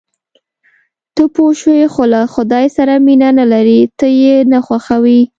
ته پوه شوې، خو له خدای سره مینه نه لرې، ته یې نه خوښوې.